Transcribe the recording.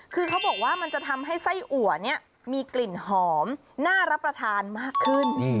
คือเขาบอกว่ามันจะทำให้ไส้อัวเนี่ยมีกลิ่นหอมน่ารับประทานมากขึ้น